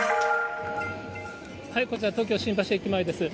こちら東京・新橋駅前です。